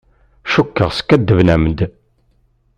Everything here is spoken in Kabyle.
Cukkeɣ skaddben-am-d.